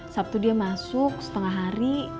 sabtu dia masuk setengah hari